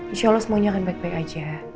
insya allah semuanya akan baik baik aja